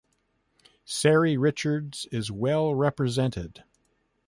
Ceri Richards is well represented.